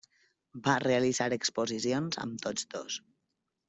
Va realitzar exposicions amb tots dos.